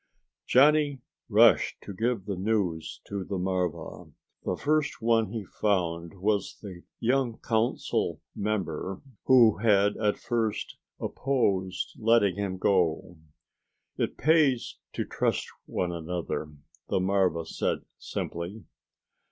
Johnny rushed to give the news to the marva. The first one he found was the young council member who had at first opposed letting him go. "It pays to trust one another," the marva said simply.